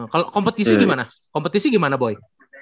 kalau kompetisi gimana kompetisi gimana boy